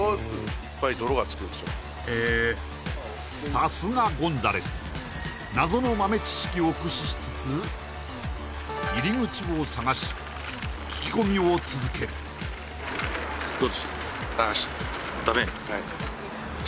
さすがゴンザレス謎の豆知識を駆使しつつ入り口を探し聞き込みを続けるダメ？